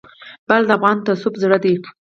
بلخ د افغان تصوف زړه دی.